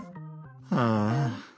ああ。